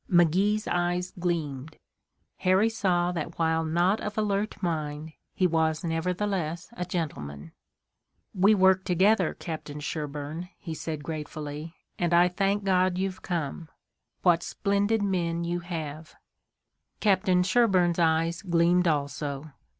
McGee's eyes gleamed. Harry saw that while not of alert mind he was nevertheless a gentleman. "We work together, Captain Sherburne," he said gratefully, "and I thank God you've come. What splendid men you have!" Captain Sherburne's eyes gleamed also.